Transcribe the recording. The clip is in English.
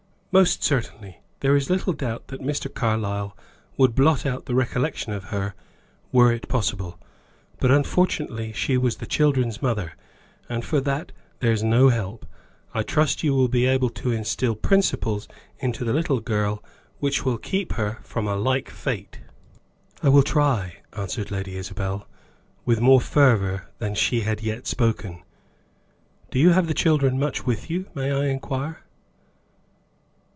"Most certainly. There is little doubt that Mr. Carlyle would blot out the recollection of her, were it possible. But unfortunately she was the children's mother, and, for that, there's no help. I trust you will be able to instill principles into the little girl which will keep her from a like fate." "I will try," answered Lady Isabel, with more fervor than she had yet spoken. "Do you have the children much with you, may I inquire?"